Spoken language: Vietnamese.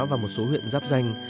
và một số huyện giáp danh